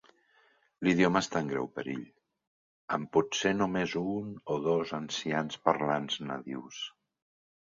L'idioma està en greu perill, amb potser només un o dos ancians parlants nadius.